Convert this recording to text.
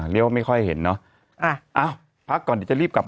เรียกว่าไม่ค่อยเห็นเนอะอ้าวพักก่อนเดี๋ยวจะรีบกลับ